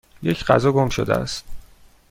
یک غذا گم شده است.